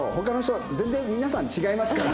全然皆さん違いますから。